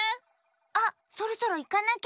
あっそろそろいかなきゃ。